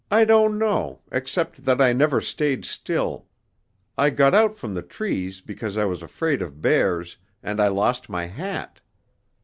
"I don't know except that I never stayed still. I got out from the trees because I was afraid of bears, and I lost my hat.